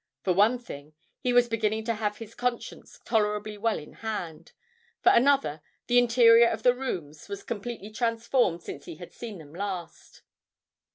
For one thing, he was beginning to have his conscience tolerably well in hand; for another, the interior of the rooms was completely transformed since he had seen them last.